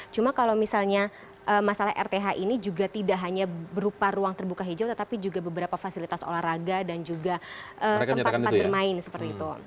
cuma kalau misalnya masalah rth ini juga tidak hanya berupa ruang terbuka hijau tetapi juga beberapa fasilitas olahraga dan juga tempat tempat bermain seperti itu